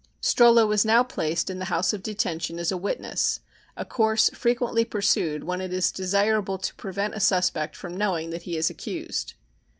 Strollo was now placed in the House of Detention as a "witness," a course frequently pursued when it is desirable to prevent a suspect from knowing that he is accused.